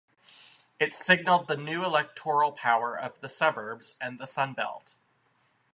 It signaled the new electoral power of the suburbs and the Sun Belt.